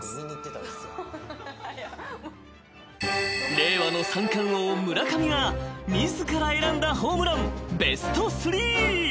［令和の三冠王村上が自ら選んだホームランベスト３］